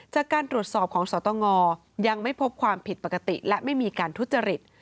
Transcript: จากการตรวจสอบของสตงยังไม่พบความผิดปกติและไม่มีการทุจริต